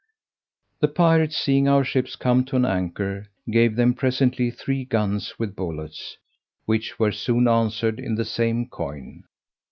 The pirates, seeing our ships come to an anchor, gave them presently three guns with bullets, which were soon answered in the same coin.